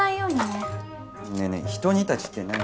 ねえねえひと煮立ちって何？